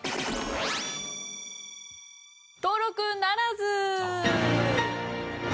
登録ならず。